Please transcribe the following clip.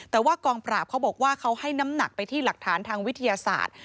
แต่ว่ากองปราบเขาบอกว่าเขาให้น้ำหนักไปที่หลักฐานทางวิทยาศาสตร์